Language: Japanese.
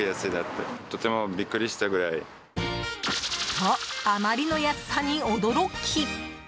と、あまりの安さに驚き。